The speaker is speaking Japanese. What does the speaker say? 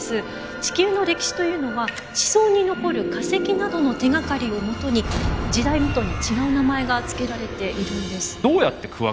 地球の歴史というのは地層に残る化石などの手がかりをもとに時代ごとに違う名前が付けられているんです。